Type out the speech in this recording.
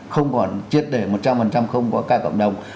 không còn triết để một trăm linh không có cao cộng đồng